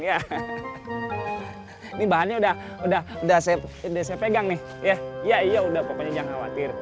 ini bahannya udah saya pegang nih ya iya pokoknya jangan khawatir